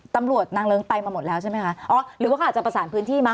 ตำรวจนางเลิ้งไปมาหมดแล้วใช่ไหมคะอ๋อหรือว่าเขาอาจจะประสานพื้นที่มั